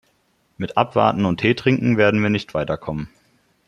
Mit Abwarten und Tee trinken werden wir nicht weiterkommen.